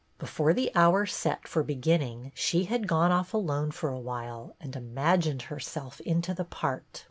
Before the hour set for beginning she had gone off alone for a while and imagined herself into the part.